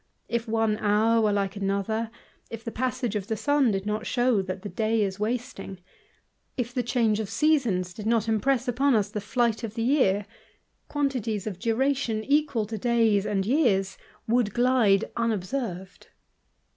If one hour were like another; if the passage of the sim did not shew that the day is wasting ; if the change of seasons did not impress upon us the flight of he year; quantities of duration equal to days and years i^ould glide unobserved.